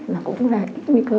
nó cũng là ít nguy cơ